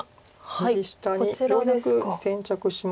右下にようやく先着しました。